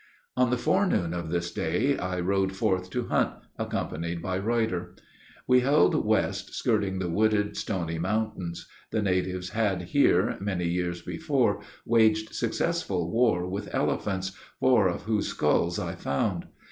On the forenoon of this day, I rode forth to hunt, accompanied by Ruyter; we held west, skirting the wooded, stony mountains. The natives had here, many years before, waged successful war with elephants, four of whose skulls I found.